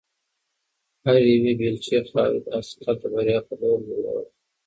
هرې یوې بیلچې خاورې د آس قد د بریا په لور لوړاوه.